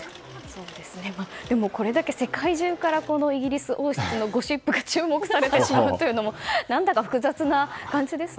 でも、これだけ世界中からイギリス王室のゴシップが注目されてしまうのも何だか複雑な感じですね。